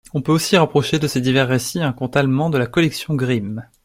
On peut aussi rapprocher de ces divers récits un conte allemand de la collection Grimm.